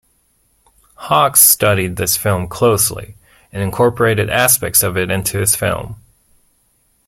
Hawks studied this film closely and incorporated aspects of it into his film.